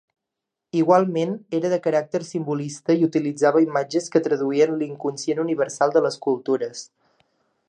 Igualment, era de caràcter simbolista i utilitzava imatges que traduïen l'inconscient universal de les cultures.